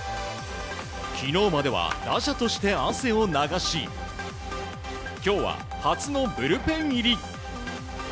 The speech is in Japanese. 昨日までは、打者として汗を流し今日は、初のブルペン入り。